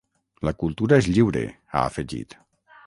La cultura és lliure, ha afegit.